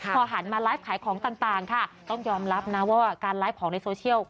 พอหันมาไลฟ์ขายของต่างค่ะต้องยอมรับนะว่าการไลฟ์ของในโซเชียล